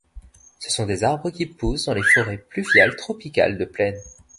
Ce sont des arbres qui poussent dans les forêts pluviales tropicales de plaine.